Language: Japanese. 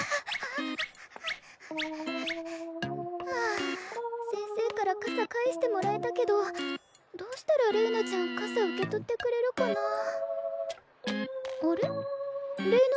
はぁ先生から傘返してもらえたけどどうしたられいなちゃん傘受け取ってくれるかな？